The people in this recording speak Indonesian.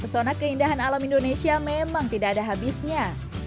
pesona keindahan alam indonesia memang tidak ada habisnya